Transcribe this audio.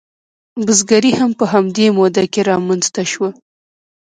بزګري هم په همدې موده کې رامنځته شوه.